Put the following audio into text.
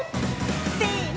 せの！